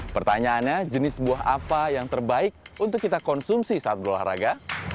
pertanyaannya jenis buah apa yang terbaik untuk kita konsumsi saat berolahraga